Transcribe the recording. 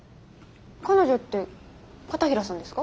彼女って片平さんですか？